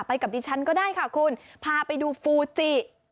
กับดิฉันก็ได้ค่ะคุณพาไปดูฟูจิ